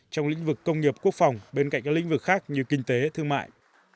trong lĩnh vực công nghiệp quốc phòng bên cạnh các lĩnh vực khác như kinh tế thương mại